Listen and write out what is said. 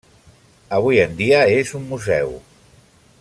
Avui en dia és un museu.